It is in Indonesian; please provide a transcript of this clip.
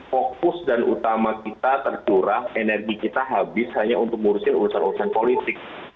fokus dan utama kita terkurang energi kita habis hanya untuk ngurusin urusan urusan politik